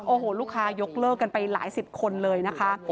โอ้โหลูกค้ายกเลิกกันไปหลายสิบคนเลยนะคะ